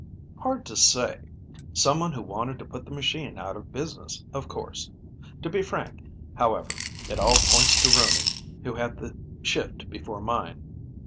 "Hard to say. Someone who wanted to put the machine out of business, of course. To be frank, however, it all points to Rooney, who had the shift before mine.